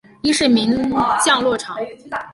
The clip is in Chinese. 伊是名降落场。